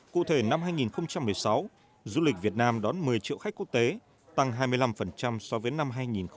cụ thể năm hai nghìn một mươi sáu du lịch việt nam đón một mươi triệu khách quốc tế tăng hai mươi năm so với năm hai nghìn một mươi bảy